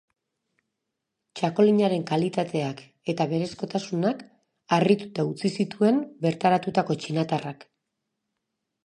Txakolinaren kalitateak eta berezkotasunak harrituta utzi zituen bertaratutako txinatarrak.